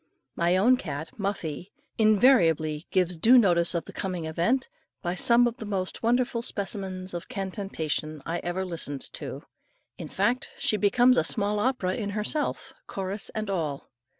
My own cat, Muffie, invariably gives due notice of the coming event, by some of the most wonderful specimens of cantation I ever listened to. In fact she becomes a small opera in herself, chorus and all.